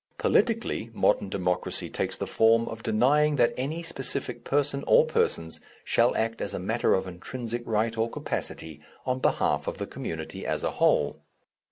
Politically modern Democracy takes the form of denying that any specific person or persons shall act as a matter of intrinsic right or capacity on behalf of the community as a whole.